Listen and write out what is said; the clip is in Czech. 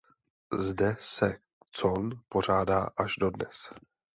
Zde se con pořádá až dodnes.